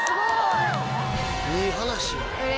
いい話や。